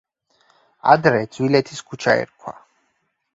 ადრე ძვილეთის ქუჩა ერქვა.